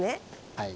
はい。